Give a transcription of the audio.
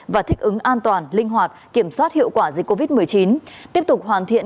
và thích ứng an toàn linh hoạt kiểm soát hiệu quả dịch covid một mươi chín tiếp tục hoàn thiện